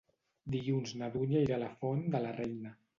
Dilluns na Dúnia irà a la Font de la Reina.